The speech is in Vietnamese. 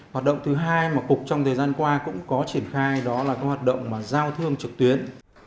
hoạt động thứ hai mà cục trong thời gian qua cũng có triển khai đó là cái hoạt động giao thương trực tuyến